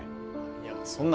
いやそんな。